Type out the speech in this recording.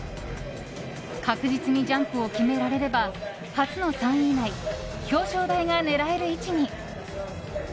確実にジャンプを決められれば初の３位以内表彰台が狙える位置に。